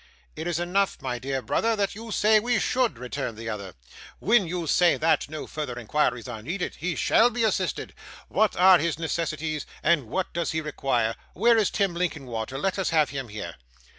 'It is enough, my dear brother, that you say we should,' returned the other. 'When you say that, no further inquiries are needed. He SHALL be assisted. What are his necessities, and what does he require? Where is Tim Linkinwater? Let us have him here.